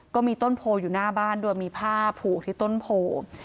ก็มีต้นโพอยู่หน้าบ้านโดยมีผ้าผูกที่ต้นโพ